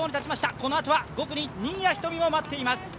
このあとは５区に新谷仁美も待っています。